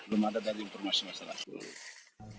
belum ada dari informasi masalah